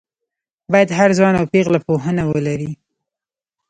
باید هر ځوان او پېغله پوهنه ولري